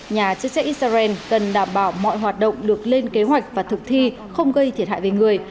nhà chức trách israel cần đảm bảo mọi hoạt động được lên kế hoạch và thực thi không gây thiệt hại về người